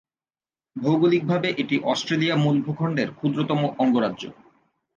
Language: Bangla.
ভৌগোলিকভাবে এটি অস্ট্রেলিয়া মূল ভূখণ্ডের ক্ষুদ্রতম অঙ্গরাজ্য।